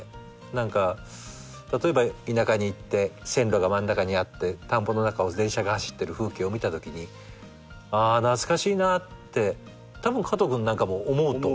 何か例えば田舎に行って線路が真ん中にあって田んぼの中を電車が走ってる風景を見たときにああ懐かしいなってたぶん加藤君なんかも思うと。